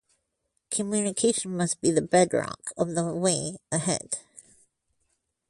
Communication must be the bedrock of the way ahead.